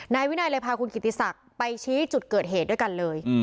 นายวินัยเลยพาคุณกิติศักดิ์ไปชี้จุดเกิดเหตุด้วยกันเลย